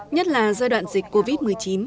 nhất là giai đoạn dịch covid một mươi chín